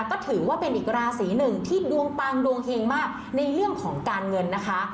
ก็ถือว่าเป็นอีกราศีหนึ่งที่ดวงปังดวงเฮงมากในเรื่องของการเงินนะคะ